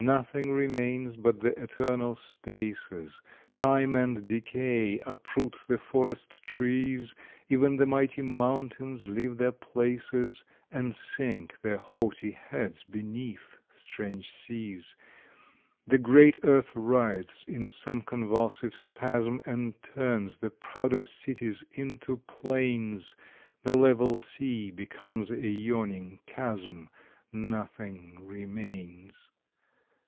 Nothing remains but the Eternal Spaces, Time and decay uproot the forest trees. Even the mighty mountains leave their places, And sink their haughty heads beneath strange seas; The great earth writhes in some convulsive spasm And turns the proudest cities into plains. The level sea becomes a yawning chasm Nothing remains.